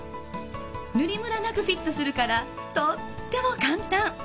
塗りムラなくフィットするからとっても簡単。